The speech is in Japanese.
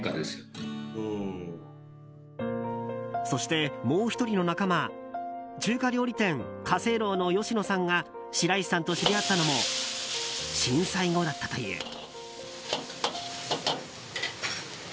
そして、もう１人の仲間中華料理店、華正樓の吉野さんが白石さんと知り合ったのも震災後だったという。